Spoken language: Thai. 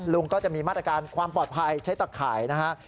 ลุงก็จะมีมาตรการความปลอดภัยใช้ตะข่ายนะฮะ